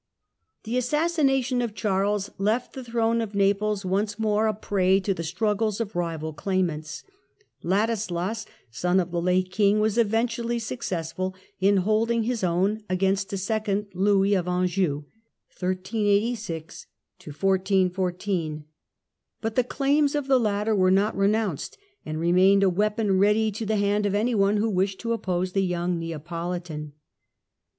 The assassination of Charles left the throne of Naples once more a prey to the struggles of rival claimants. Ladisias, Ladislas, son of the late King, was eventually success 1386 1414 „,.,,,.,.., r •.*• tul m holding his own against a second Liouis oi Anjou ; but the claims of the latter were not renounced, and re mained a weapon ready to the hand of any one who wished to oppose the young Neapolitan.